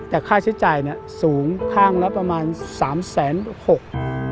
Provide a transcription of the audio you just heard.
แต่ค่าใช้จ่ายสูงข้างละประมาณ๓๖๐๐๐๐๐บาท